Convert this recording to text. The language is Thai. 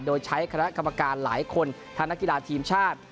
โดยใช้คณะกรรมการหลายคนทั้งนักกีฬาทีมชาติ